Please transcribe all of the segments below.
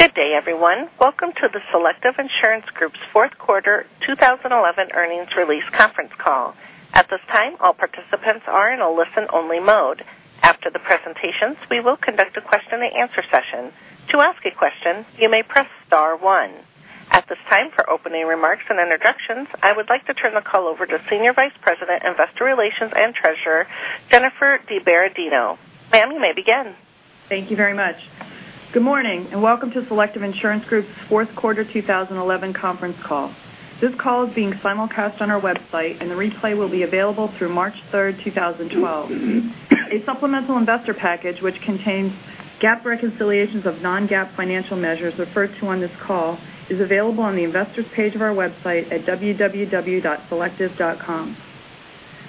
Good day, everyone. Welcome to the Selective Insurance Group's fourth quarter 2011 earnings release conference call. At this time, all participants are in a listen-only mode. After the presentations, we will conduct a question and answer session. To ask a question, you may press *star one. At this time, for opening remarks and introductions, I would like to turn the call over to Senior Vice President, Investor Relations and Treasurer, Jennifer DiBerardino. Ma'am, you may begin. Thank you very much. Good morning, welcome to Selective Insurance Group's fourth quarter 2011 conference call. This call is being simulcast on our website, the replay will be available through March 3rd, 2012. A supplemental investor package, which contains GAAP reconciliations of non-GAAP financial measures referred to on this call, is available on the investors page of our website at selective.com.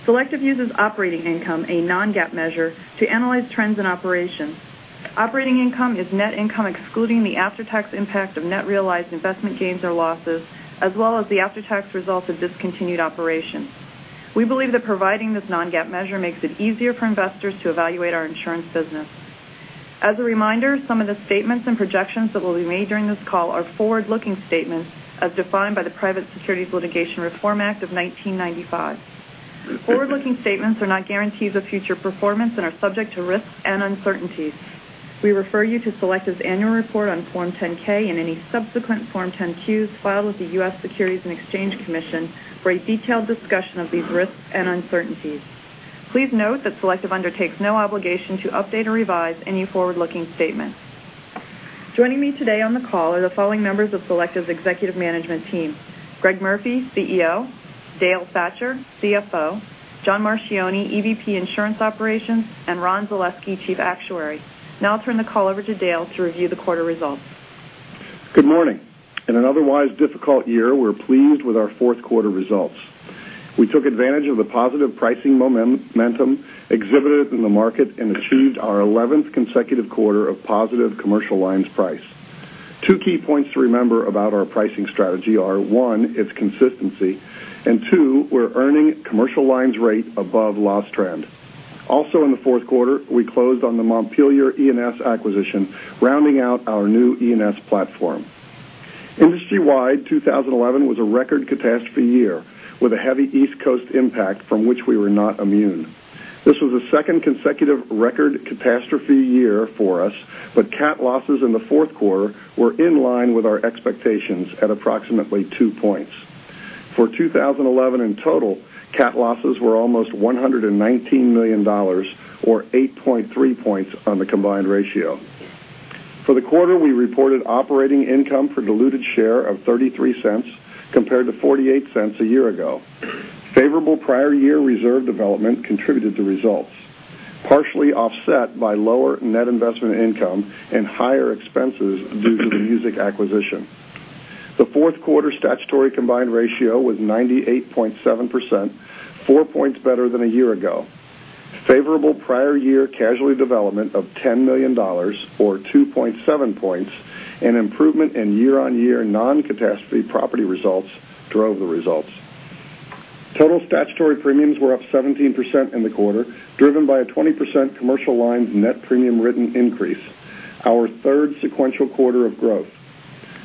Selective uses operating income, a non-GAAP measure, to analyze trends and operations. Operating income is net income excluding the after-tax impact of net realized investment gains or losses, as well as the after-tax results of discontinued operations. We believe that providing this non-GAAP measure makes it easier for investors to evaluate our insurance business. As a reminder, some of the statements and projections that will be made during this call are forward-looking statements as defined by the Private Securities Litigation Reform Act of 1995. Forward-looking statements are not guarantees of future performance and are subject to risks and uncertainties. We refer you to Selective's annual report on Form 10-K and any subsequent Form 10-Qs filed with the U.S. Securities and Exchange Commission for a detailed discussion of these risks and uncertainties. Please note that Selective undertakes no obligation to update or revise any forward-looking statements. Joining me today on the call are the following members of Selective's executive management team: Greg Murphy, CEO; Dale Thatcher, CFO; John Marchioni, EVP Insurance Operations; and Ron Zalesky, Chief Actuary. I'll turn the call over to Dale to review the quarter results. Good morning. In an otherwise difficult year, we're pleased with our fourth quarter results. We took advantage of the positive pricing momentum exhibited in the market and achieved our 11th consecutive quarter of positive commercial lines price. Two key points to remember about our pricing strategy are, one, its consistency, and two, we're earning commercial lines rate above loss trend. Also in the fourth quarter, we closed on the Montpelier E&S acquisition, rounding out our new E&S platform. Industry-wide, 2011 was a record catastrophe year with a heavy East Coast impact from which we were not immune. This was the second consecutive record catastrophe year for us, cat losses in the fourth quarter were in line with our expectations at approximately two points. For 2011 in total, cat losses were almost $119 million, or 8.3 points on the combined ratio. For the quarter, we reported operating income per diluted share of $0.33 compared to $0.48 a year ago. Favorable prior year reserve development contributed to results, partially offset by lower net investment income and higher expenses due to the MUSIC acquisition. The fourth quarter statutory combined ratio was 98.7%, four points better than a year ago. Favorable prior year casualty development of $10 million, or 2.7 points, an improvement in year-on-year non-catastrophe property results drove the results. Total statutory premiums were up 17% in the quarter, driven by a 20% Commercial Lines net premium written increase, our third sequential quarter of growth.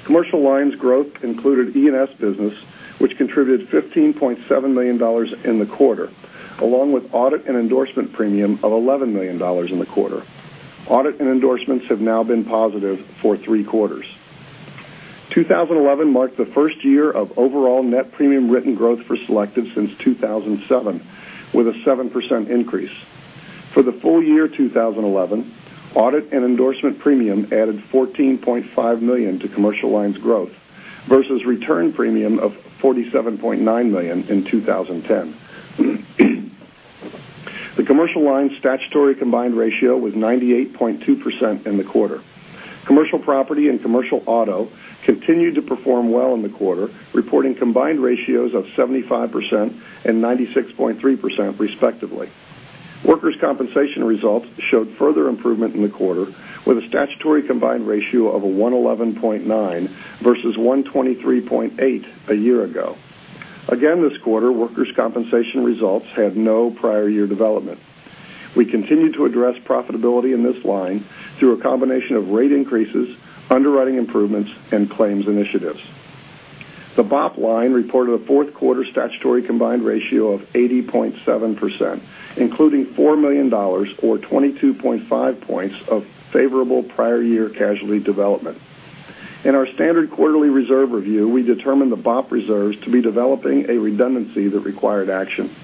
Commercial Lines growth included E&S business, which contributed $15.7 million in the quarter, along with audit and endorsement premium of $11 million in the quarter. Audit and endorsements have now been positive for three quarters. 2011 marked the first year of overall net premium written growth for Selective since 2007, with a 7% increase. For the full year 2011, audit and endorsement premium added $14.5 million to Commercial Lines growth versus return premium of $47.9 million in 2010. The Commercial Lines statutory combined ratio was 98.2% in the quarter. Commercial Property and Commercial Auto continued to perform well in the quarter, reporting combined ratios of 75% and 96.3% respectively. Workers' compensation results showed further improvement in the quarter, with a statutory combined ratio of 111.9% versus 123.8% a year ago. Again, this quarter, Workers' compensation results had no prior year development. We continue to address profitability in this line through a combination of rate increases, underwriting improvements, and claims initiatives. The BOP line reported a fourth quarter statutory combined ratio of 80.7%, including $4 million, or 22.5 points of favorable prior year casualty development. In our standard quarterly reserve review, we determined the BOP reserves to be developing a redundancy that required action.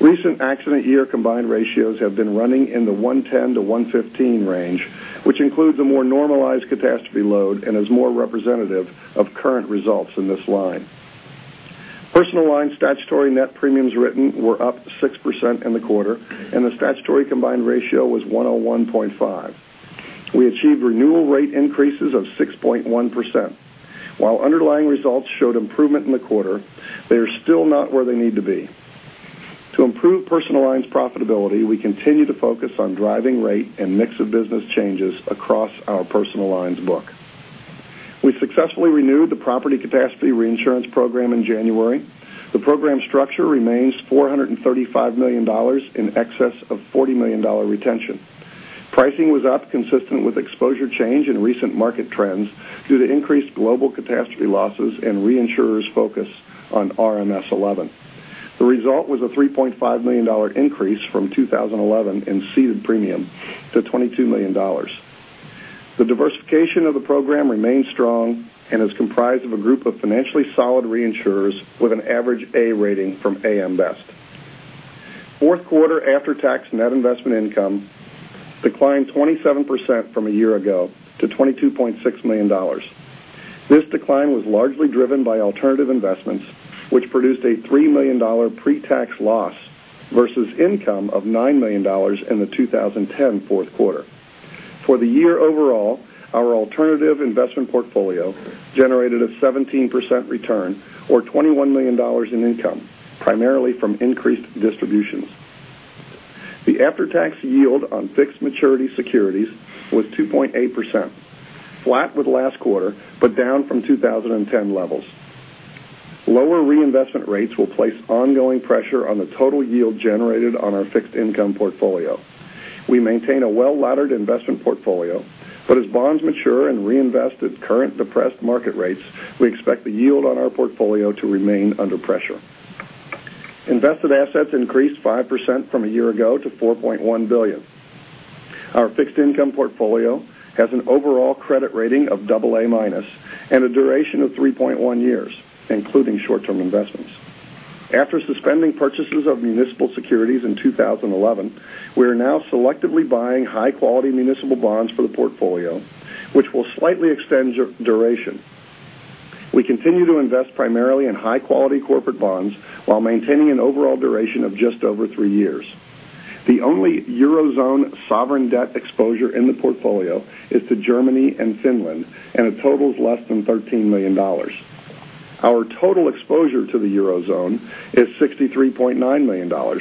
Recent accident year combined ratios have been running in the 110%-115% range, which includes a more normalized catastrophe load and is more representative of current results in this line. Personal Lines statutory net premiums written were up 6% in the quarter, and the statutory combined ratio was 101.5%. We achieved renewal rate increases of 6.1%. While underlying results showed improvement in the quarter, they are still not where they need to be. To improve Personal Lines profitability, we continue to focus on driving rate and mix of business changes across our Personal Lines book. We successfully renewed the property capacity reinsurance program in January. The program structure remains $435 million in excess of $40 million retention. Pricing was up consistent with exposure change and recent market trends due to increased global catastrophe losses and reinsurers' focus on RMS 11. The result was a $3.5 million increase from 2011 in ceded premium to $22 million. The diversification of the program remains strong and is comprised of a group of financially solid reinsurers with an average A rating from AM Best. Fourth quarter after-tax net investment income declined 27% from a year ago to $22.6 million. This decline was largely driven by alternative investments, which produced a $3 million pre-tax loss versus income of $9 million in the 2010 fourth quarter. For the year overall, our alternative investment portfolio generated a 17% return or $21 million in income, primarily from increased distributions. The after-tax yield on fixed maturity securities was 2.8%, flat with last quarter, but down from 2010 levels. Lower reinvestment rates will place ongoing pressure on the total yield generated on our fixed income portfolio. We maintain a well-laddered investment portfolio, but as bonds mature and reinvest at current depressed market rates, we expect the yield on our portfolio to remain under pressure. Invested assets increased 5% from a year ago to $4.1 billion. Our fixed income portfolio has an overall credit rating of double A minus and a duration of 3.1 years, including short-term investments. After suspending purchases of municipal securities in 2011, we are now selectively buying high-quality municipal bonds for the portfolio, which will slightly extend duration. We continue to invest primarily in high-quality corporate bonds while maintaining an overall duration of just over three years. The only Eurozone sovereign debt exposure in the portfolio is to Germany and Finland, and it totals less than $13 million. Our total exposure to the Eurozone is $63.9 million,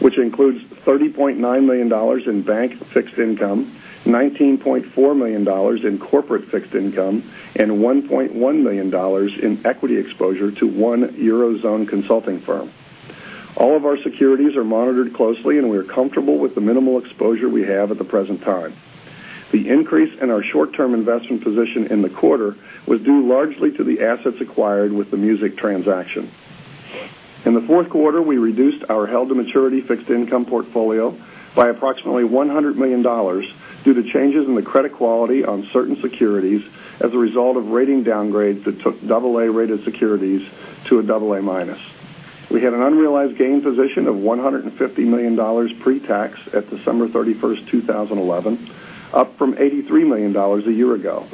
which includes $30.9 million in bank fixed income, $19.4 million in corporate fixed income, and $1.1 million in equity exposure to one Eurozone consulting firm. All of our securities are monitored closely, and we are comfortable with the minimal exposure we have at the present time. The increase in our short-term investment position in the quarter was due largely to the assets acquired with the MUSIC transaction. In the fourth quarter, we reduced our held-to-maturity fixed income portfolio by approximately $100 million due to changes in the credit quality on certain securities as a result of rating downgrades that took double A-rated securities to a double A minus. We had an unrealized gain position of $150 million pre-tax at December 31st, 2011, up from $83 million a year ago.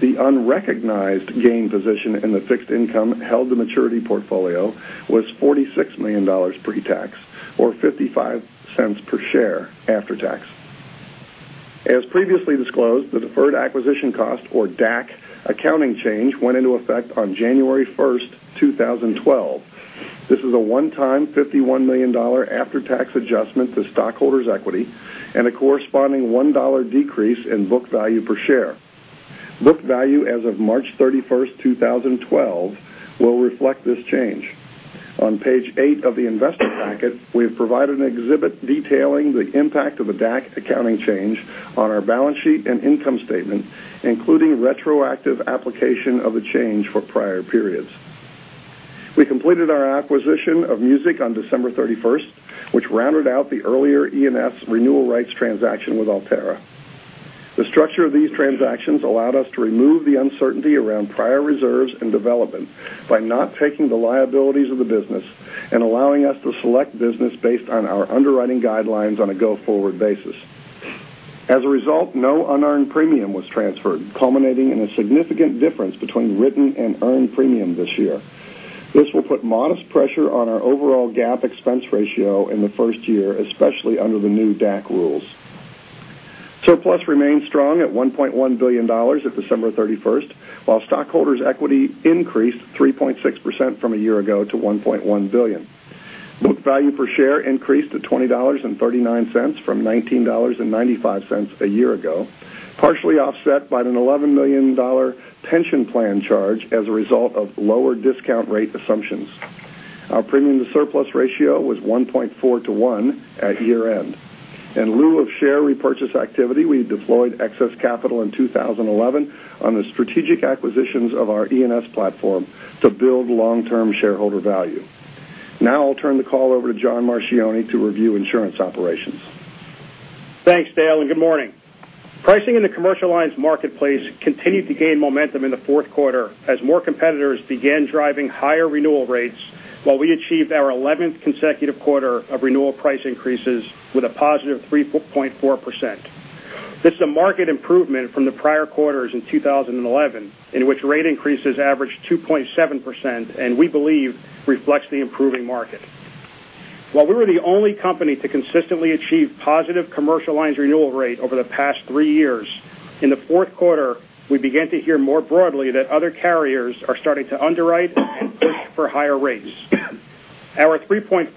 The unrecognized gain position in the fixed income held-to-maturity portfolio was $46 million pre-tax, or $0.55 per share after tax. As previously disclosed, the deferred acquisition cost or DAC accounting change went into effect on January 1st, 2012. This is a one-time $51 million after-tax adjustment to stockholders' equity and a corresponding $1 decrease in book value per share. Book value as of March 31st, 2012 will reflect this change. On page eight of the investor packet, we have provided an exhibit detailing the impact of the DAC accounting change on our balance sheet and income statement, including retroactive application of the change for prior periods. We completed our acquisition of MUSIC on December 31st, which rounded out the earlier E&S renewal rights transaction with Alterra. The structure of these transactions allowed us to remove the uncertainty around prior reserves and development by not taking the liabilities of the business and allowing us to select business based on our underwriting guidelines on a go-forward basis. As a result, no unearned premium was transferred, culminating in a significant difference between written and earned premium this year. This will put modest pressure on our overall GAAP expense ratio in the first year, especially under the new DAC rules. Surplus remains strong at $1.1 billion at December 31st, while stockholders' equity increased 3.6% from a year ago to $1.1 billion. Book value per share increased to $20.39 from $19.95 a year ago, partially offset by an $11 million pension plan charge as a result of lower discount rate assumptions. Our premium to surplus ratio was 1.4 to one at year-end. In lieu of share repurchase activity, we deployed excess capital in 2011 on the strategic acquisitions of our E&S platform to build long-term shareholder value. Now I'll turn the call over to John Marchioni to review insurance operations. Thanks, Dale. Good morning. Pricing in the commercial lines marketplace continued to gain momentum in the fourth quarter as more competitors began driving higher renewal rates while we achieved our 11th consecutive quarter of renewal price increases with a positive 3.4%. This is a market improvement from the prior quarters in 2011, in which rate increases averaged 2.7% and we believe reflects the improving market. While we were the only company to consistently achieve positive commercial lines renewal rate over the past three years, in the fourth quarter, we began to hear more broadly that other carriers are starting to underwrite and push for higher rates. Our 3.4%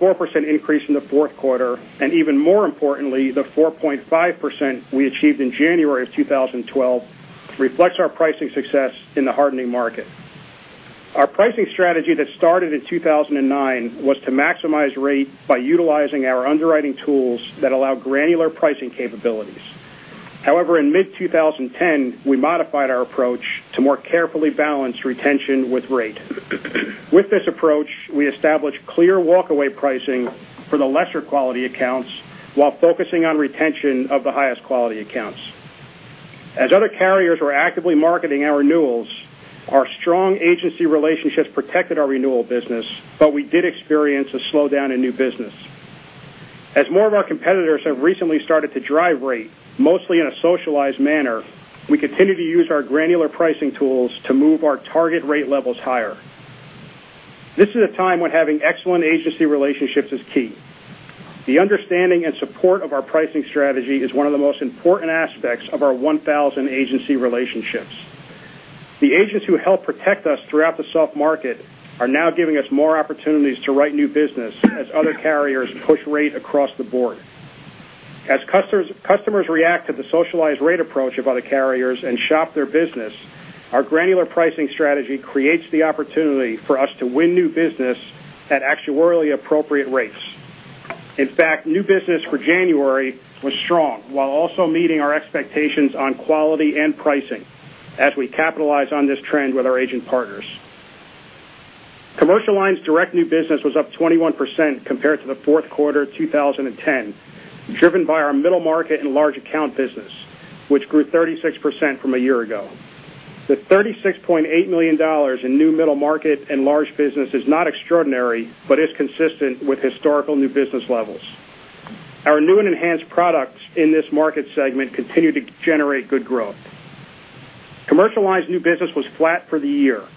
increase in the fourth quarter, and even more importantly, the 4.5% we achieved in January of 2012, reflects our pricing success in the hardening market. Our pricing strategy that started in 2009 was to maximize rate by utilizing our underwriting tools that allow granular pricing capabilities. However, in mid-2010, we modified our approach to more carefully balance retention with rate. With this approach, we established clear walkaway pricing for the lesser quality accounts while focusing on retention of the highest quality accounts. As other carriers were actively marketing our renewals, our strong agency relationships protected our renewal business, but we did experience a slowdown in new business. As more of our competitors have recently started to drive rate, mostly in a socialized manner, we continue to use our granular pricing tools to move our target rate levels higher. This is a time when having excellent agency relationships is key. The understanding and support of our pricing strategy is one of the most important aspects of our 1,000 agency relationships. The agents who helped protect us throughout the soft market are now giving us more opportunities to write new business as other carriers push rate across the board. As customers react to the socialized rate approach of other carriers and shop their business, our granular pricing strategy creates the opportunity for us to win new business at actuarially appropriate rates. In fact, new business for January was strong, while also meeting our expectations on quality and pricing as we capitalize on this trend with our agent partners. Commercial lines direct new business was up 21% compared to the fourth quarter 2010, driven by our middle market and large account business, which grew 36% from a year ago. The $36.8 million in new middle market and large business is not extraordinary, but is consistent with historical new business levels. Our new and enhanced products in this market segment continue to generate good growth. Commercial Lines new business was flat for the year.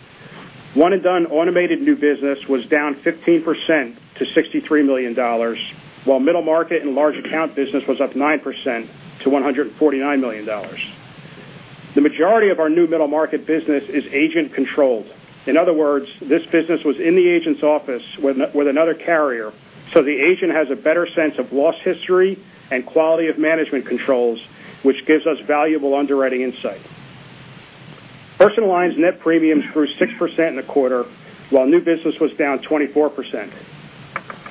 Automated new business was down 15% to $63 million, while middle market and large account business was up 9% to $149 million. The majority of our new middle market business is agent controlled. In other words, this business was in the agent's office with another carrier, so the agent has a better sense of loss history and quality of management controls, which gives us valuable underwriting insight. Personal Lines net premiums grew 6% in the quarter, while new business was down 24%.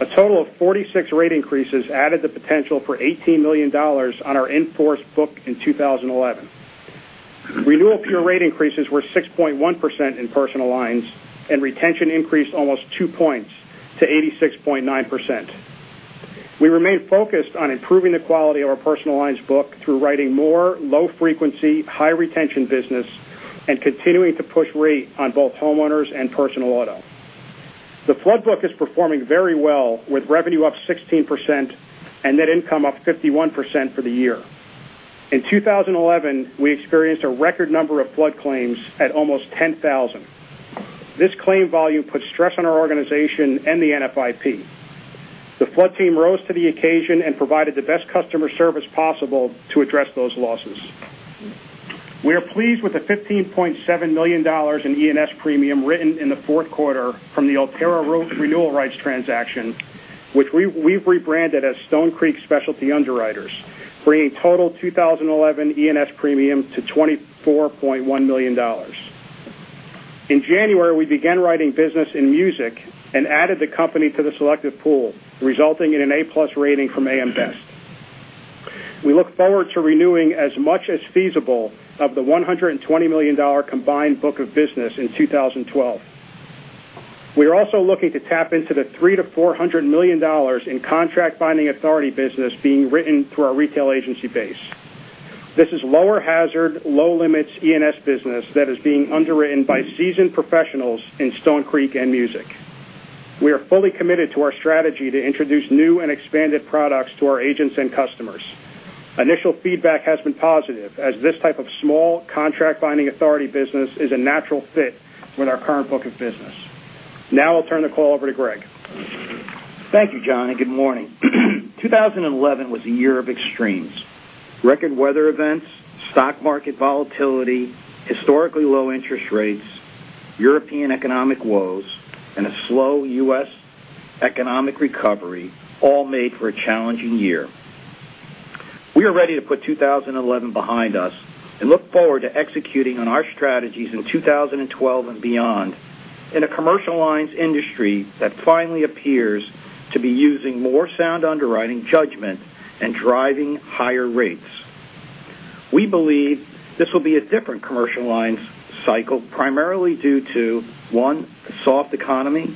A total of 46 rate increases added the potential for $18 million on our in-force book in 2011. Renewal pure rate increases were 6.1% in Personal Lines, and retention increased almost two points to 86.9%. We remain focused on improving the quality of our Personal Lines book through writing more low frequency, high retention business and continuing to push rate on both homeowners and personal auto. The flood book is performing very well, with revenue up 16% and net income up 51% for the year. In 2011, we experienced a record number of flood claims at almost 10,000. This claim volume put stress on our organization and the NFIP. The flood team rose to the occasion and provided the best customer service possible to address those losses. We are pleased with the $15.7 million in E&S premium written in the fourth quarter from the Alterra renewal rights transaction, which we've rebranded as Stone Creek Specialty Underwriters, bringing total 2011 E&S premium to $24.1 million. In January, we began writing business in MUSIC and added the company to the Selective pool, resulting in an A+ rating from AM Best. We look forward to renewing as much as feasible of the $120 million combined book of business in 2012. We are also looking to tap into the $3 million-$400 million in contract binding authority business being written through our retail agency base. This is lower hazard, low limits E&S business that is being underwritten by seasoned professionals in Stone Creek and MUSIC. We are fully committed to our strategy to introduce new and expanded products to our agents and customers. Initial feedback has been positive, as this type of small contract binding authority business is a natural fit with our current book of business. Now I'll turn the call over to Greg. Thank you, John, and good morning. 2011 was a year of extremes. Record weather events, stock market volatility, historically low interest rates, European economic woes, and a slow U.S. economic recovery all made for a challenging year. We are ready to put 2011 behind us and look forward to executing on our strategies in 2012 and beyond in a Commercial Lines industry that finally appears to be using more sound underwriting judgment and driving higher rates. We believe this will be a different Commercial Lines cycle, primarily due to, one, a soft economy,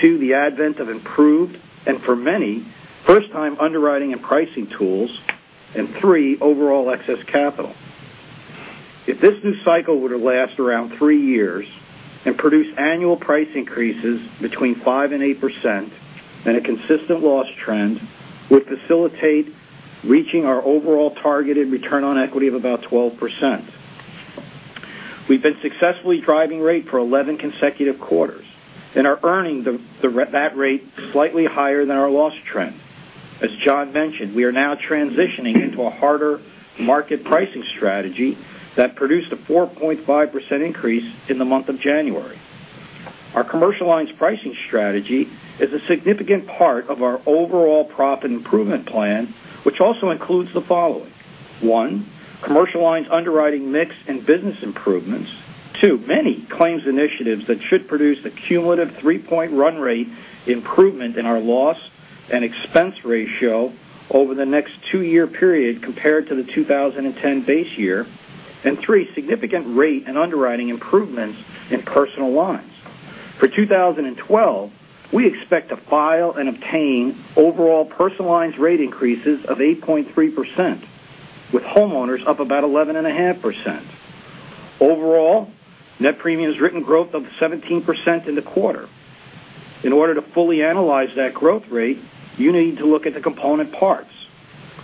two, the advent of improved, and for many first time, underwriting and pricing tools, and three, overall excess capital. If this new cycle were to last around three years and produce annual price increases between 5% and 8%, then a consistent loss trend would facilitate reaching our overall targeted return on equity of about 12%. We've been successfully driving rate for 11 consecutive quarters and are earning that rate slightly higher than our loss trend. As John mentioned, we are now transitioning into a harder market pricing strategy that produced a 4.5% increase in the month of January. Our Commercial Lines pricing strategy is a significant part of our overall profit improvement plan, which also includes the following. One, Commercial Lines underwriting mix and business improvements. Two, many claims initiatives that should produce a cumulative three-point run rate improvement in our loss and expense ratio over the next two-year period compared to the 2010 base year. Three, significant rate and underwriting improvements in Personal Lines. For 2012, we expect to file and obtain overall Personal Lines rate increases of 8.3%, with homeowners up about 11.5%. Overall, net premiums written growth of 17% in the quarter. In order to fully analyze that growth rate, you need to look at the component parts.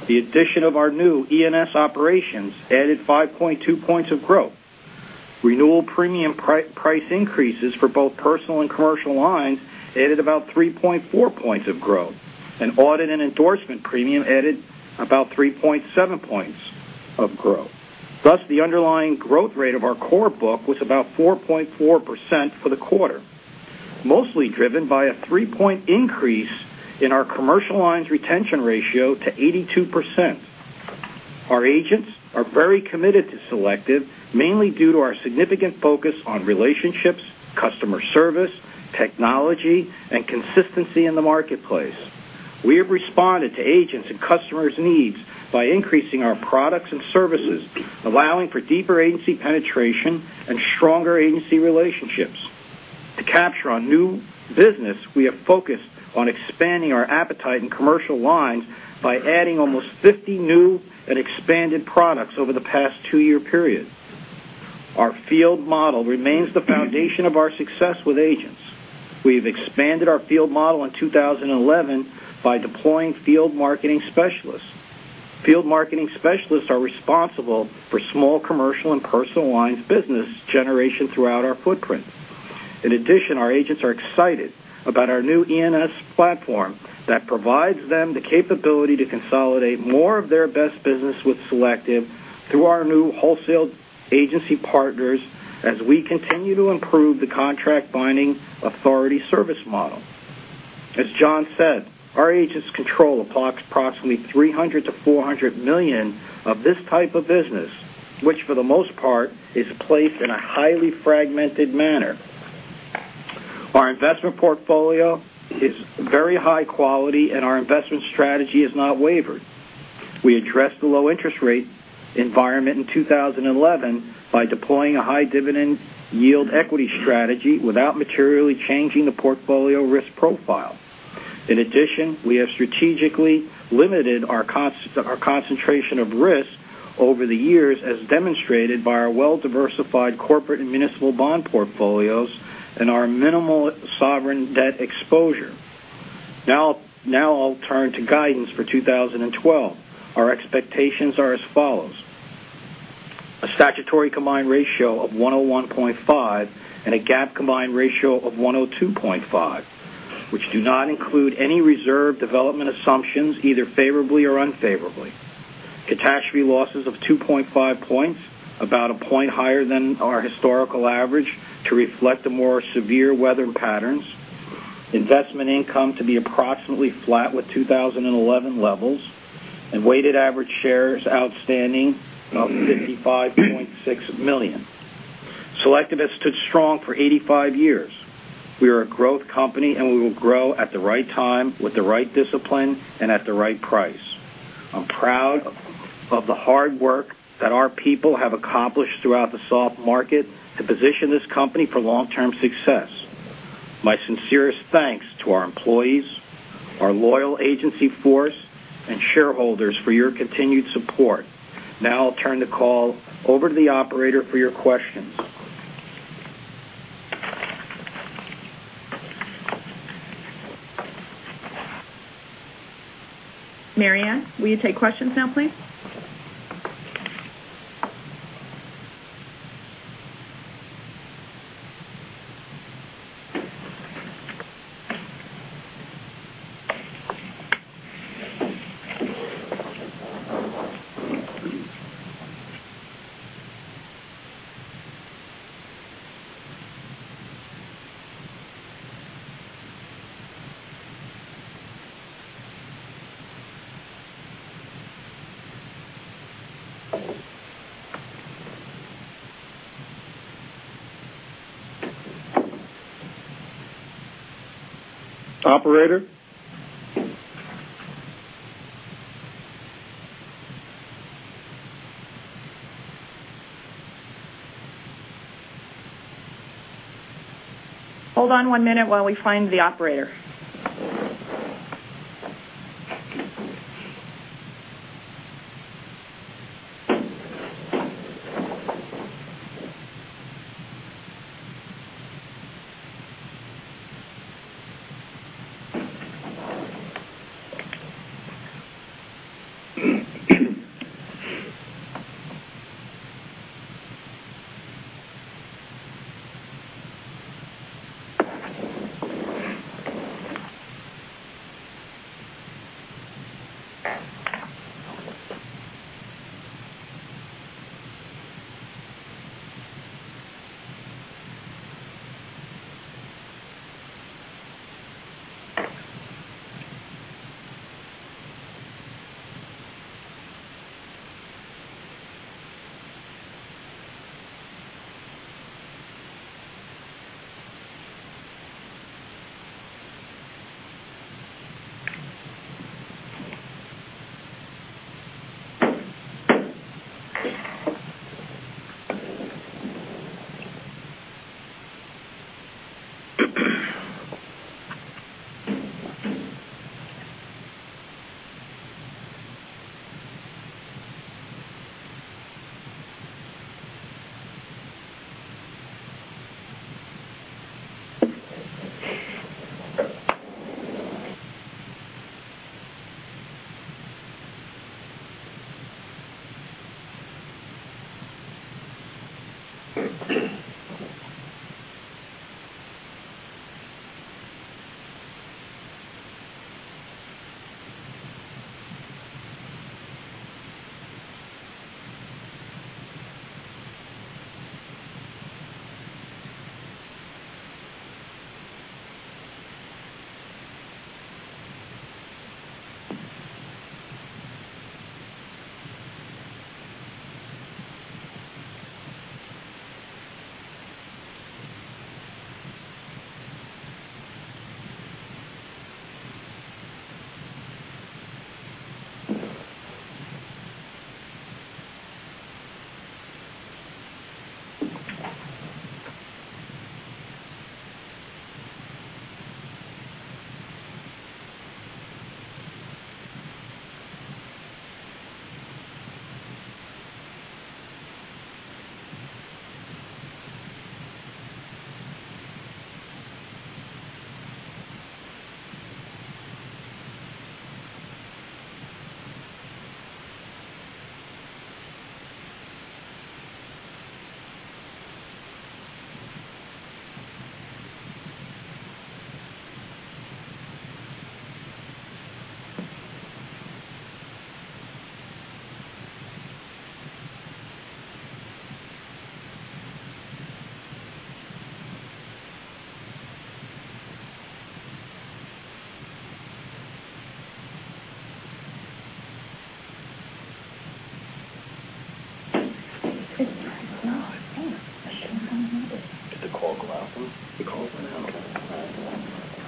The addition of our new E&S operations added 5.2 points of growth. Renewal premium price increases for both Personal and Commercial Lines added about 3.4 points of growth. Audit and endorsement premium added about 3.7 points of growth. Thus, the underlying growth rate of our core book was about 4.4% for the quarter, mostly driven by a three-point increase in our Commercial Lines retention ratio to 82%. Our agents are very committed to Selective, mainly due to our significant focus on relationships, customer service, technology, and consistency in the marketplace. We have responded to agents' and customers' needs by increasing our products and services, allowing for deeper agency penetration and stronger agency relationships. To capture our new business, we have focused on expanding our appetite in Commercial Lines by adding almost 50 new and expanded products over the past two-year period. Our field model remains the foundation of our success with agents. We've expanded our field model in 2011 by deploying field marketing specialists. Field marketing specialists are responsible for small commercial and Personal Lines business generation throughout our footprint. In addition, our agents are excited about our new E&S platform that provides them the capability to consolidate more of their best business with Selective through our new wholesale agency partners, as we continue to improve the contract binding authority service model. As John said, our agents control approximately $300 million-$400 million of this type of business, which for the most part is placed in a highly fragmented manner. Our investment portfolio is very high quality, and our investment strategy has not wavered. We addressed the low interest rate environment in 2011 by deploying a high dividend yield equity strategy without materially changing the portfolio risk profile. In addition, we have strategically limited our concentration of risk over the years, as demonstrated by our well-diversified corporate and municipal bond portfolios and our minimal sovereign debt exposure. Now I'll turn to guidance for 2012. Our expectations are as follows. A statutory combined ratio of 101.5 and a GAAP combined ratio of 102.5, which do not include any reserve development assumptions, either favorably or unfavorably. Catastrophe losses of 2.5 points, about one point higher than our historical average to reflect the more severe weather patterns. Investment income to be approximately flat with 2011 levels, and weighted average shares outstanding of 55.6 million. Selective has stood strong for 85 years. We are a growth company. We will grow at the right time, with the right discipline, and at the right price. I'm proud of the hard work that our people have accomplished throughout the soft market to position this company for long-term success. My sincerest thanks to our employees, our loyal agency force, and shareholders for your continued support. Now I'll turn the call over to the operator for your questions. Mary Ann, will you take questions now, please? Operator? Hold on one minute while we find the operator. Did the call go out? The call went out. Okay.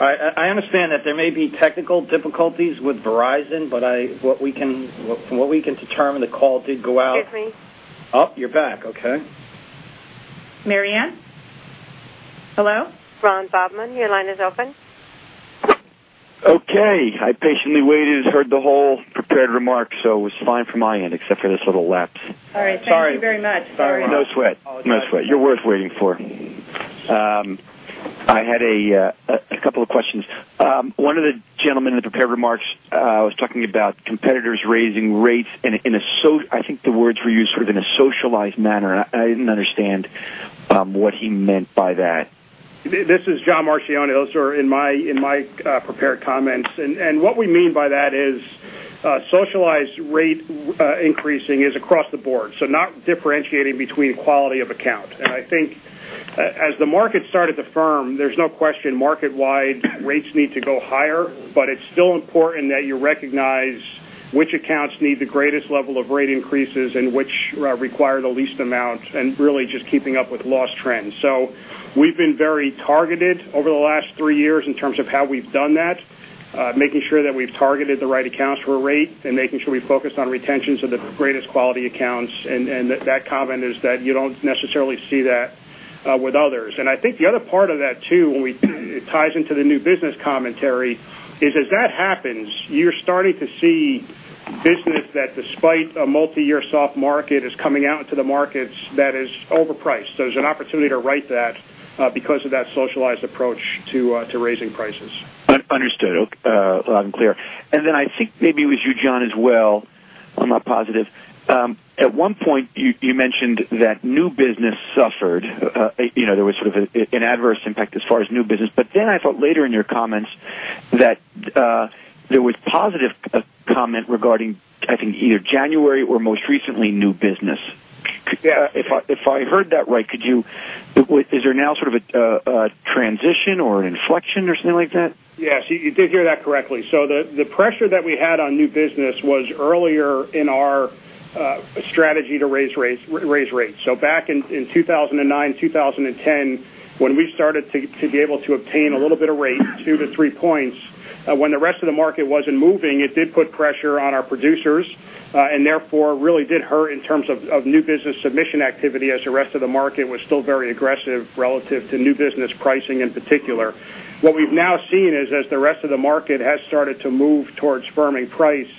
I understand that there may be technical difficulties with Verizon, but from what we can determine, the call did go out. Excuse me. Oh, you're back, okay. Mary Ann? Hello? Ron Bobman, your line is open. Okay. I patiently waited, heard the whole prepared remarks. It was fine from my end except for this little lapse. All right. Thank you very much. Sorry. No sweat. You're worth waiting for. I had a couple of questions. One of the gentlemen in the prepared remarks was talking about competitors raising rates in a, I think the words were used sort of in a socialized manner. I did not understand what he meant by that. This is John Marchioni. Those are in my prepared comments. What we mean by that is socialized rate increasing is across the board, not differentiating between quality of account. I think as the market started to firm, there's no question market-wide rates need to go higher, but it's still important that you recognize which accounts need the greatest level of rate increases and which require the least amount, really just keeping up with loss trends. We've been very targeted over the last three years in terms of how we've done that, making sure that we've targeted the right accounts for a rate and making sure we focused on retention, so the greatest quality accounts. That comment is that you don't necessarily see that with others. I think the other part of that too, it ties into the new business commentary, is as that happens, you're starting to see business that despite a multi-year soft market is coming out into the markets that is overpriced. There's an opportunity to right that because of that socialized approach to raising prices. Understood. Glad and clear. I think maybe it was you, John, as well. I'm not positive. At one point you mentioned that new business suffered. There was sort of an adverse impact as far as new business. I thought later in your comments that there was positive comment regarding, I think either January or most recently, new business. Yeah. If I heard that right, is there now sort of a transition or an inflection or something like that? Yes, you did hear that correctly. The pressure that we had on new business was earlier in our strategy to raise rates. Back in 2009, 2010, when we started to be able to obtain a little bit of rate, two to three points, when the rest of the market wasn't moving, it did put pressure on our producers. Therefore really did hurt in terms of new business submission activity as the rest of the market was still very aggressive relative to new business pricing in particular. What we've now seen is as the rest of the market has started to move towards firming price,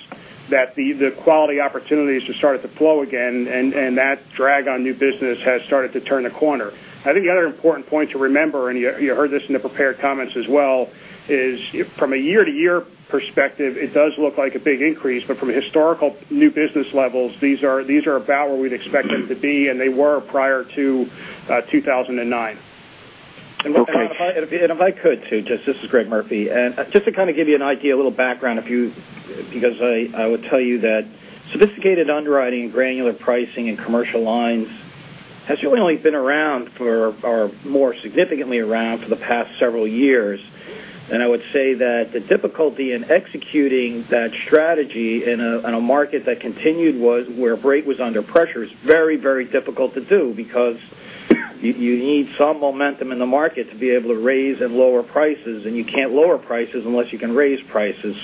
that the quality opportunities have started to flow again, and that drag on new business has started to turn a corner. I think the other important point to remember, you heard this in the prepared comments as well, is from a year-to-year perspective, it does look like a big increase. From a historical new business levels, these are about where we'd expect them to be, and they were prior to 2009. If I could too, this is Greg Murphy. Just to kind of give you an idea, a little background, because I would tell you that sophisticated underwriting and granular pricing in commercial lines has really only been around, or more significantly around, for the past several years. I would say that the difficulty in executing that strategy in a market that continued where rate was under pressure is very, very difficult to do because you need some momentum in the market to be able to raise and lower prices, and you can't lower prices unless you can raise prices.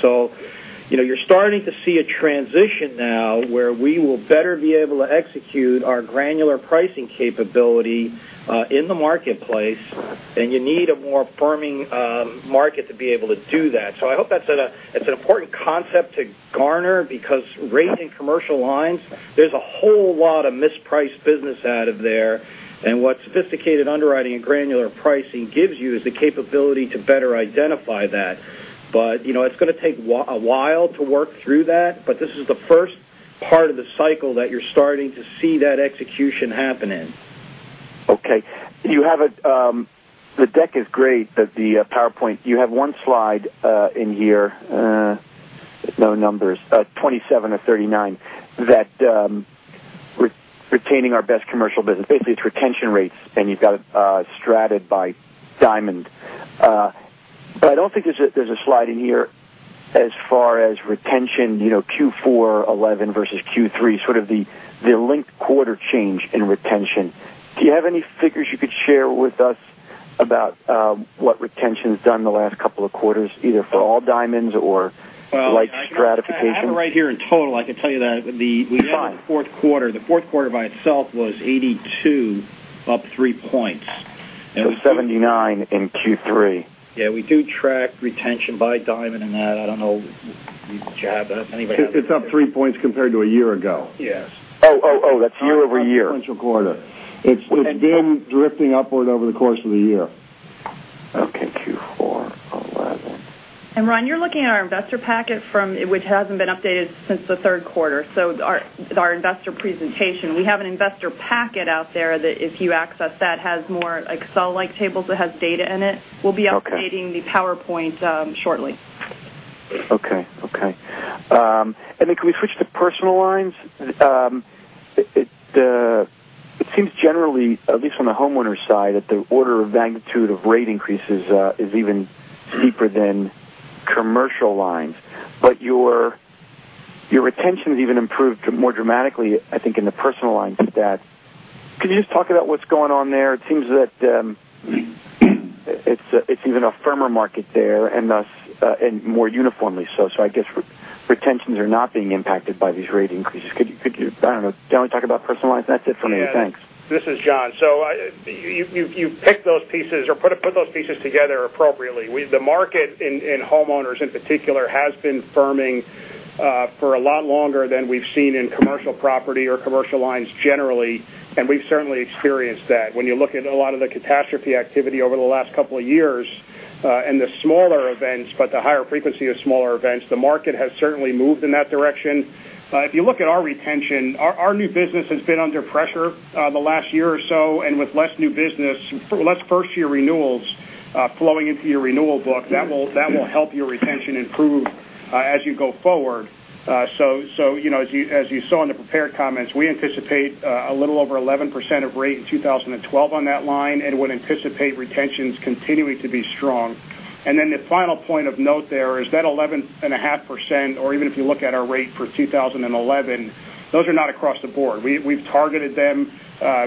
You're starting to see a transition now where we will better be able to execute our granular pricing capability in the marketplace, and you need a more firming market to be able to do that. I hope that's an important concept to garner because rate and Commercial Lines, there's a whole lot of mispriced business out of there, and what sophisticated underwriting and granular pricing gives you is the capability to better identify that. It's going to take a while to work through that, but this is the first part of the cycle that you're starting to see that execution happening. Okay. The deck is great, the PowerPoint, you have one slide in here, no numbers, 27 of 39, that retaining our best Commercial business, basically it's retention rates, and you've got it stratted by diamond. I don't think there's a slide in here as far as retention Q4 2011 versus Q3, sort of the linked quarter change in retention. Do you have any figures you could share with us about what retention's done the last couple of quarters, either for all diamonds or like stratification? I have it right here in total. I can tell you that. Fine Fourth quarter by itself was 82 up three points. 79 in Q3. Yeah, we do track retention by line in that. I don't know. Does anybody have that? It's up three points compared to a year ago. Yes. Oh, that's year-over-year. On a sequential quarter. It's been drifting upward over the course of the year. Okay, Q4 2011. Ron, you're looking at our investor packet, which hasn't been updated since the third quarter. Our investor presentation. We have an investor packet out there that if you access that has more Excel-like tables that has data in it. Okay. We'll be updating the PowerPoint shortly. Can we switch to Personal Lines? It seems generally, at least from the homeowner side, that the order of magnitude of rate increases is even steeper than Commercial Lines. Your retention has even improved more dramatically, I think, in the Personal Lines with that. Can you just talk about what's going on there? It seems that it's even a firmer market there and more uniformly so. I guess retentions are not being impacted by these rate increases. I don't know. Do you want to talk about Personal Lines? That's it for me. Thanks. This is John. You picked those pieces or put those pieces together appropriately. The market in homeowners in particular has been firming for a lot longer than we've seen in Commercial Property or Commercial Lines generally, and we've certainly experienced that. When you look at a lot of the catastrophe activity over the last couple of years and the smaller events but the higher frequency of smaller events, the market has certainly moved in that direction. If you look at our retention, our new business has been under pressure the last year or so, and with less new business, less first-year renewals flowing into your renewal book, that will help your retention improve as you go forward. As you saw in the prepared comments, we anticipate a little over 11% of rate in 2012 on that line and would anticipate retentions continuing to be strong. The final point of note there is that 11.5%, or even if you look at our rate for 2011, those are not across the board. We've targeted them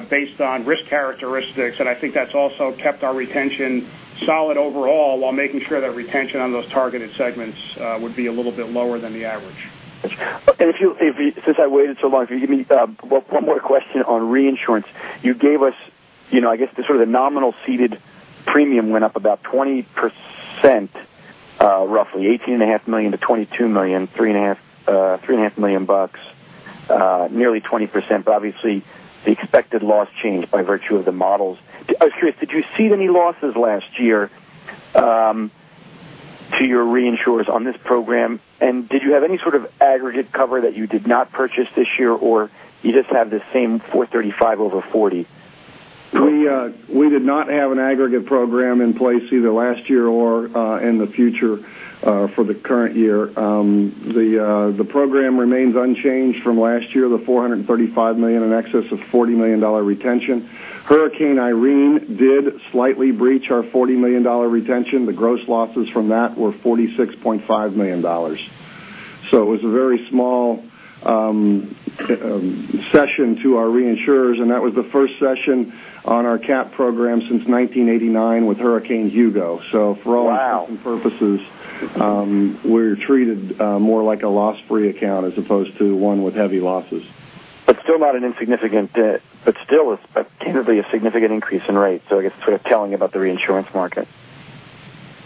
based on risk characteristics, and I think that's also kept our retention solid overall while making sure that retention on those targeted segments would be a little bit lower than the average. Since I waited so long, if you give me one more question on reinsurance. You gave us the sort of nominal ceded premium went up about 20%, roughly $18.5 million to $22 million, $3.5 million, nearly 20%. Obviously, the expected loss changed by virtue of the models. Dale, did you cede any losses last year to your reinsurers on this program? Did you have any sort of aggregate cover that you did not purchase this year, or you just have the same 435 over 40? We did not have an aggregate program in place either last year or in the future for the current year. The program remains unchanged from last year, the $435 million in excess of $40 million retention. Hurricane Irene did slightly breach our $40 million retention. The gross losses from that were $46.5 million. It was a very small session to our reinsurers, and that was the first session on our cap program since 1989 with Hurricane Hugo. Wow. For all intents and purposes, we're treated more like a loss-free account as opposed to one with heavy losses. Still it's tentatively a significant increase in rate. I guess it's sort of telling about the reinsurance market.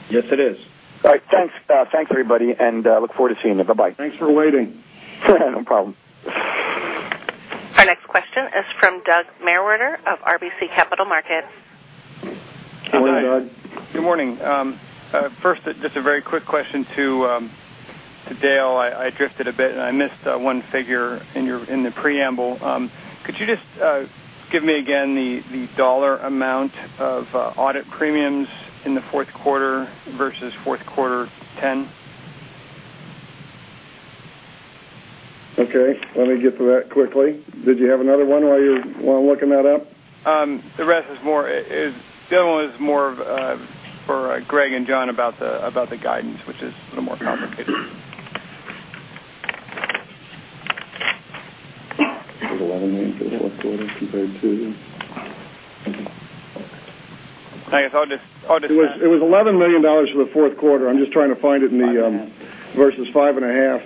Yes, it is. All right. Thanks, everybody, and look forward to seeing you. Bye-bye. Thanks for waiting. No problem. Our next question is from Douglas McGregor of RBC Capital Markets. Good morning, Doug. Good morning. First, just a very quick question to To Dale, I drifted a bit and I missed one figure in the preamble. Could you just give me again the dollar amount of audit premiums in the fourth quarter versus fourth quarter 2010? Okay. Let me get to that quickly. Did you have another one while I'm looking that up? The rest is more of for Greg and John about the guidance, which is a little more complicated. It was $11 million for the fourth quarter compared to I guess I'll just It was $11 million for the fourth quarter. I'm just trying to find it in the Five and a half. Versus five and a half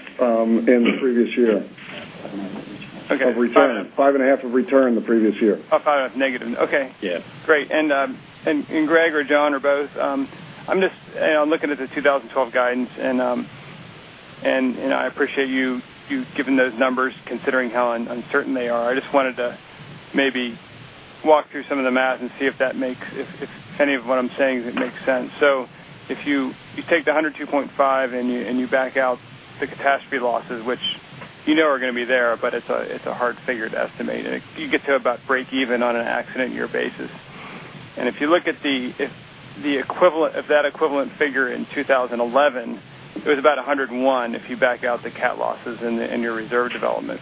in the previous year. Okay. Of return. Five and a half of return the previous year. Of five and a half negative. Okay. Yeah. Great. Greg or John or both, I'm looking at the 2012 guidance, and I appreciate you giving those numbers considering how uncertain they are. I just wanted to maybe walk through some of the math and see if any of what I'm saying makes sense. If you take the 102.5 and you back out the catastrophe losses, which you know are going to be there, but it's a hard figure to estimate, and you get to about break even on an accident year basis. If you look at the equivalent figure in 2011, it was about 101 if you back out the cat losses in your reserve development.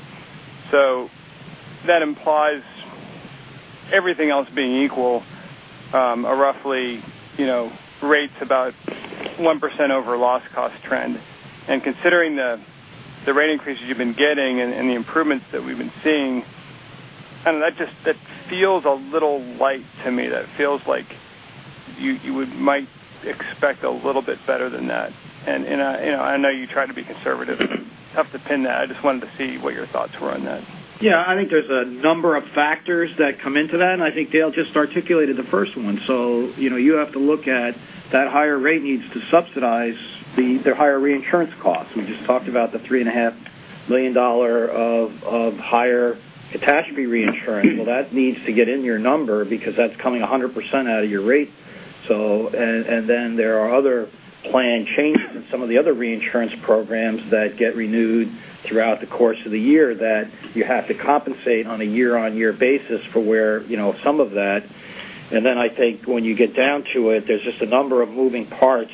That implies everything else being equal, roughly rates about 1% over loss cost trend. Considering the rate increases you've been getting and the improvements that we've been seeing, that feels a little light to me. That feels like you might expect a little bit better than that. I know you try to be conservative. It's tough to pin that. I just wanted to see what your thoughts were on that. Yeah, I think there's a number of factors that come into that, I think Dale just articulated the first one. You have to look at that higher rate needs to subsidize their higher reinsurance costs. We just talked about the $3.5 million of higher catastrophe reinsurance. That needs to get in your number because that's coming 100% out of your rate. There are other plan changes in some of the other reinsurance programs that get renewed throughout the course of the year that you have to compensate on a year-on-year basis for some of that. I think when you get down to it, there's just a number of moving parts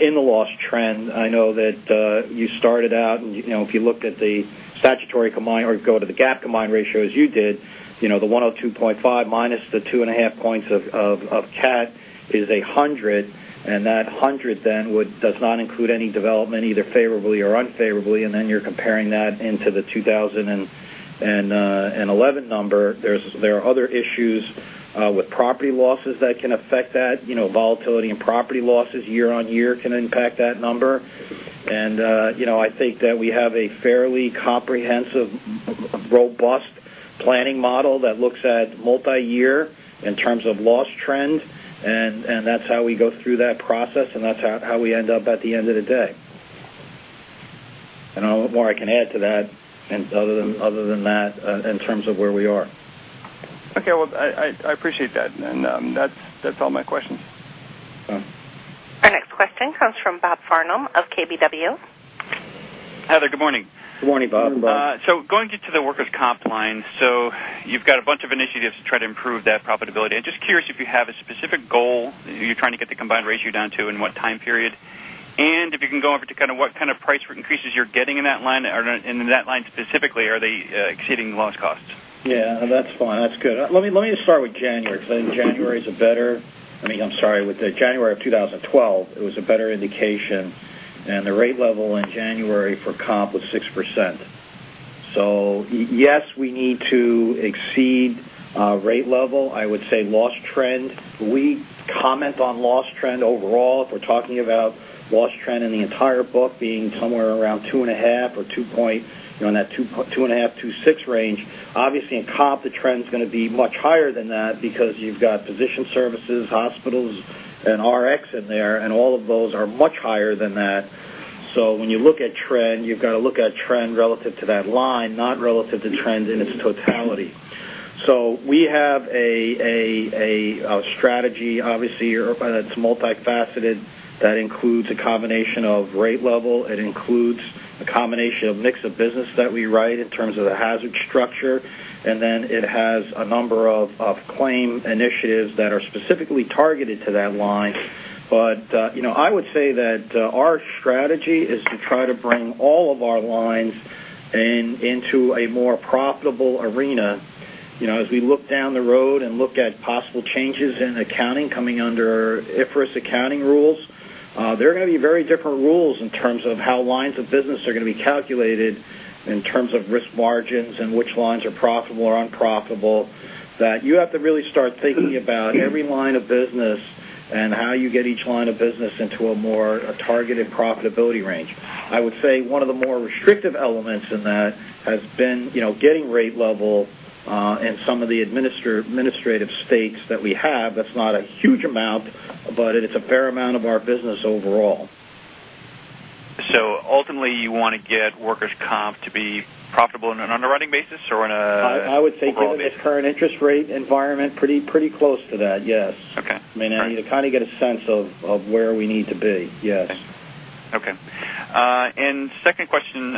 in the loss trend. I know that you started out, if you looked at the statutory combined or go to the GAAP combined ratio as you did, the 102.5 minus the two and a half points of cat is 100, and that 100 then does not include any development either favorably or unfavorably. You're comparing that into the 2011 number. There are other issues with property losses that can affect that. Volatility in property losses year-on-year can impact that number. I think that we have a fairly comprehensive, robust planning model that looks at multi-year in terms of loss trend, and that's how we go through that process, and that's how we end up at the end of the day. I don't know what more I can add to that other than that in terms of where we are. Okay. Well, I appreciate that. That's all my questions. Sure. Our next question comes from Robert Farnam of KBW. Hi there, good morning. Good morning, Bob. Going into the Workers' comp line, you've got a bunch of initiatives to try to improve that profitability. I'm just curious if you have a specific goal you're trying to get the combined ratio down to in what time period? If you can go over to what kind of price increases you're getting in that line specifically, are they exceeding loss costs? Yeah. That's fine. That's good. Let me just start with January because I think January of 2012 was a better indication, and the rate level in January for comp was 6%. Yes, we need to exceed rate level. I would say loss trend. We comment on loss trend overall if we're talking about loss trend in the entire book being somewhere around 2.5 or 2.6 range. Obviously, in comp, the trend's going to be much higher than that because you've got physician services, hospitals, and Rx in there, and all of those are much higher than that. When you look at trend, you've got to look at trend relative to that line, not relative to trend in its totality. We have a strategy, obviously, that's multifaceted, that includes a combination of rate level, it includes a combination of mix of business that we write in terms of the hazard structure, and then it has a number of claim initiatives that are specifically targeted to that line. I would say that our strategy is to try to bring all of our lines into a more profitable arena. As we look down the road and look at possible changes in accounting coming under IFRS accounting rules, there are going to be very different rules in terms of how lines of business are going to be calculated in terms of risk margins and which lines are profitable or unprofitable, that you have to really start thinking about every line of business and how you get each line of business into a more targeted profitability range. I would say one of the more restrictive elements in that has been getting rate level in some of the administrative states that we have. That's not a huge amount, but it's a fair amount of our business overall. Ultimately, you want to get workers' comp to be profitable on an underwriting basis or. I would say given this current interest rate environment, pretty close to that, yes. Okay. You kind of get a sense of where we need to be. Yes. Okay. Second question,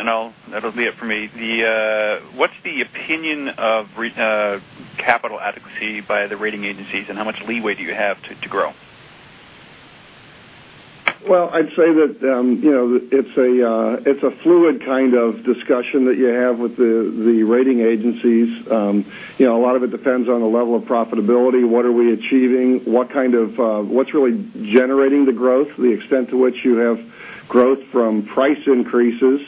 that'll be it for me. What's the opinion of capital adequacy by the rating agencies, how much leeway do you have to grow? I'd say that it's a fluid kind of discussion that you have with the rating agencies. A lot of it depends on the level of profitability. What are we achieving? What's really generating the growth? The extent to which you have growth from price increases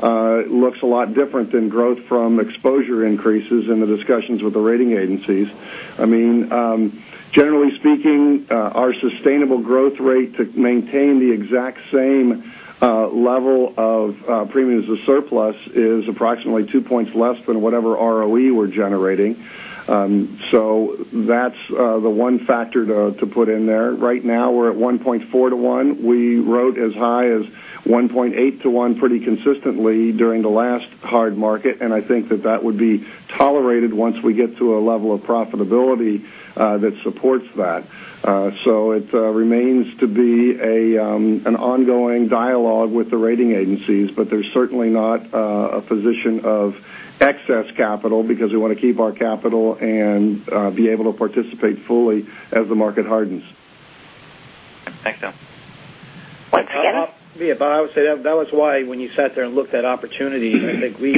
looks a lot different than growth from exposure increases in the discussions with the rating agencies. Generally speaking, our sustainable growth rate to maintain the exact same level of premiums of surplus is approximately two points less than whatever ROE we're generating. That's the one factor to put in there. Right now, we're at 1.4 to one. We rode as high as 1.8 to one pretty consistently during the last hard market, and I think that that would be tolerated once we get to a level of profitability that supports that. It remains to be an ongoing dialogue with the rating agencies, but they're certainly not a position of excess capital because we want to keep our capital and be able to participate fully as the market hardens. Thanks, Dale. I would say that was why when you sat there and looked at opportunities, I think we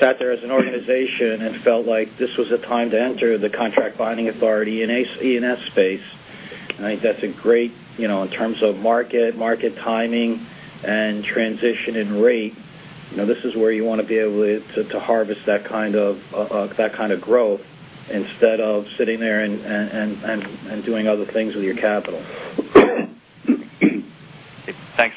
sat there as an organization and felt like this was a time to enter the contract binding authority in E&S space. I think that's great in terms of market timing, and transition in rate. This is where you want to be able to harvest that kind of growth instead of sitting there and doing other things with your capital. Thank you.